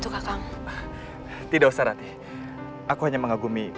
kalau kamu tidak mau aku akan mencoba